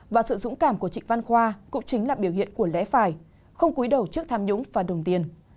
và sự dũng cảm của trịnh văn khoa cũng chính là biểu hiện của lẽ phải không quý đầu trước tham nhũng và đồng tiền